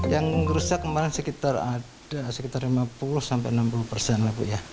yang rusak kemarin sekitar ada sekitar lima puluh sampai enam puluh persen lah bu ya